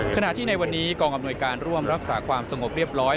ขณะที่ในวันนี้กองอำนวยการร่วมรักษาความสงบเรียบร้อย